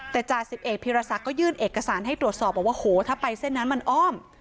แต่จาน๑๑พิรษักษ์ก็ยื่นเอกสารให้ตรวจสอบว่าถ้าไปเส้นนั้นมันอ้อม